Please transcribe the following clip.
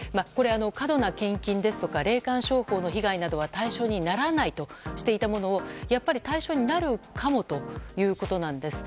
過度な献金ですとか霊感商法などは対象にならないとしていたものをやっぱり対象になるかもということなんです。